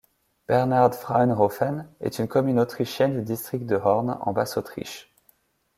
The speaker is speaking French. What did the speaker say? Bernhard-Frauenhofen est une commune autrichienne du district de Horn en Basse-Autriche.